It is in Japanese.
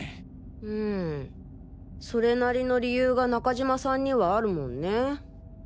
うんそれなりの理由が中島さんにはあるもんね。